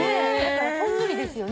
ほんのりですよね。